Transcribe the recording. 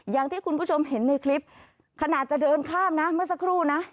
อย่างที่คุณผู้ชมเห็นในคลิปขนาดจะเดินข้ามนะเมื่อสักครู่นะ